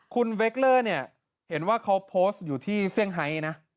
คุณเวคเลอร์เนี่ยเห็นว่าเขาโพสต์อยู่ที่เซี่ยงไฮนะ